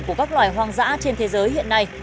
của các loài hoang dã trên thế giới hiện nay